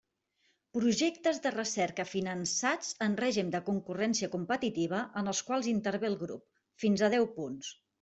Projectes de recerca finançats en règim de concurrència competitiva en els quals intervé el grup: fins a deu punts.